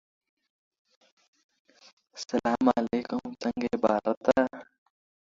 Salvinorin is a "trans"-neoclerodane diterpenoid.